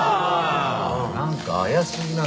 なんか怪しいな。